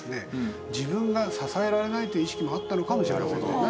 自分が支えられないという意識もあったのかもしれませんね。